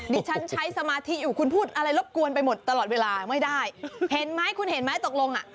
ดิฉันใช้สมาธิอยู่คุณพูดอะไรรบกวนไปหมดตลอดเวลาไม่ได้เห็นไหมคุณเห็นไหมตกลงอ่ะ